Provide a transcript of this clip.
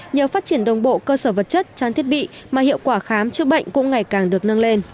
nhờ phát triển đồng bộ cơ sở vật chất trang thiết bị mà hiệu quả khám chữa bệnh cũng ngày càng được nâng lên